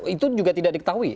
itu juga tidak diketahui